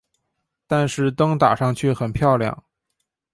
但是灯打上去很漂亮